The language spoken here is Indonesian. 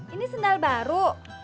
ini sendal baru